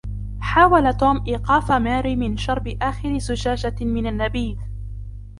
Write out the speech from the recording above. حاول توم إيقاف ماري من شرب آخر زجاجة من النبيذ.